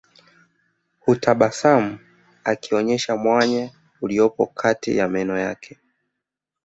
Hutabasamu akionesha mwanya uliopo kati ya meno yake